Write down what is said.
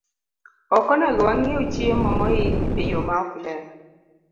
Ok onego wang'iew chiemo moik e yo maok ler.